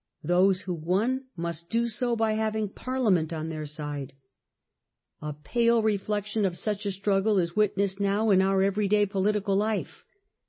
Those who won must do so by having Parliament on their side. A pale reflection of such a struggle is wit nessed now in our everyday political life.